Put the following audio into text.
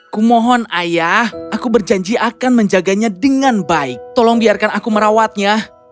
kumohon ayah aku berjanji akan menjaganya dengan baik tolong biarkan aku merawatnya